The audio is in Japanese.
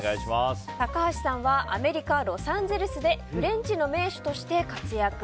高橋さんはアメリカ・ロサンゼルスでフレンチの名手として活躍。